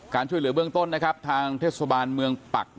ช่วยเหลือเบื้องต้นนะครับทางเทศบาลเมืองปัก